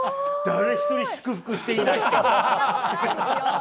誰一人祝福していない。